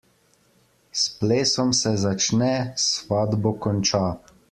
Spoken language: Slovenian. S plesom se začne, s svatbo konča.